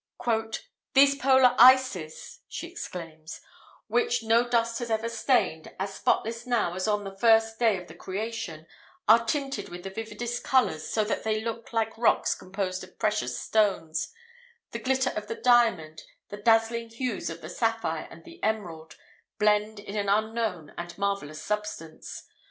"These Polar ices," she exclaims, "which no dust has ever stained, as spotless now as on the first day of the creation, are tinted with the vividest colours, so that they look like rocks composed of precious stones: the glitter of the diamond, the dazzling hues of the sapphire and the emerald, blend in an unknown and marvellous substance.